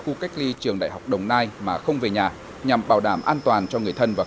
khu cách ly trường đại học đồng nai mà không về nhà nhằm bảo đảm an toàn cho người thân và